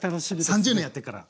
３０年やってっから。